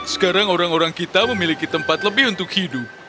sekarang orang orang kita memiliki tempat lebih untuk hidup